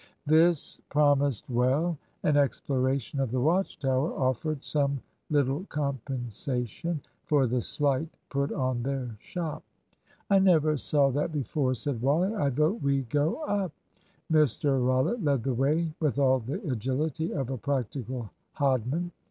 This promised well. An exploration of the Watch tower offered some little compensation for the slight put on their shop. "I never saw that before," said Wally. "I vote we go up." Mr Rollitt led the way with all the agility of a practical hodman.